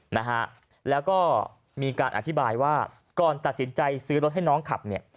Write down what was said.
นะฮะแล้วก็มีการอธิบายว่าก่อนตัดสินใจซื้อรถให้น้องขับเนี่ย